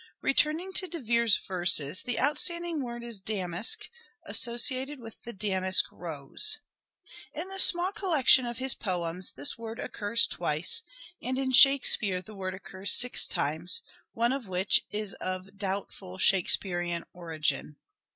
Returning to De Vere's verses the outstanding word is " damask," associated with the " damask rose." 179 In the small collection of his poems this word occurs The damask twice, and in Shakespeare the word occurs six times, r one of which is of doubtful Shakespearean origin.